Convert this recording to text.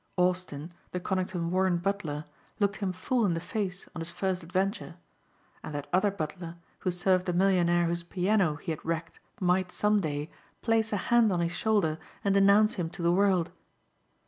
Austin, the Conington Warren butler, looked him full in the face on his first adventure. And that other butler who served the millionaire whose piano he had wrecked might, some day, place a hand on his shoulder and denounce him to the world.